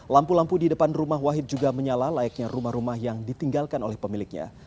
lampu lampu di depan rumah wahid juga menyala layaknya rumah rumah yang ditinggalkan oleh pemiliknya